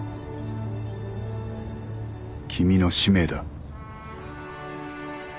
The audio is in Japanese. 君の使命だ。